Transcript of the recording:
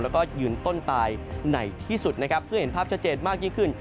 แล้วก็ยืนต้นตายไหนที่สุดนะครับเพื่อเห็นภาพชัดเจนมากยิ่งขึ้น